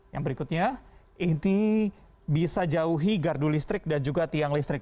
yang berikutnya inti bisa jauhi gardu listrik dan juga tiang listrik